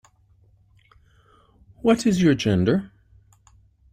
What is your gender?